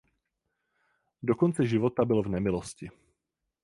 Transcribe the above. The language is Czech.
Do konce života byl v nemilosti.